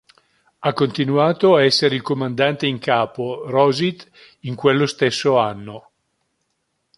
Ha continuato a essere il Comandante in Capo, Rosyth in quello stesso anno.